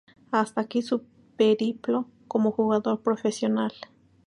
Hasta aquí su periplo como jugador profesional.